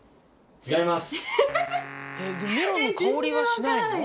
違います。